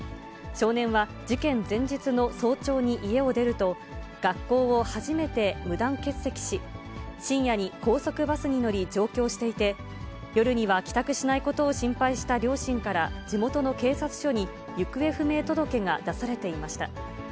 少年は事件前日の早朝に家を出ると、学校を初めて無断欠席し、深夜に高速バスに乗り、上京していて、夜には帰宅しないことを心配した両親から、地元の警察署に行方不明届が出されていました。